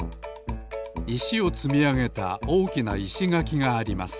いしをつみあげたおおきないしがきがあります。